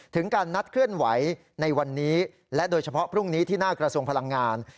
ถึงการนัดเคลื่อนไหวในวันนี้และโดยเฉพาะพรุ่งนี้ที่หน้ากระทรวงพลังงาน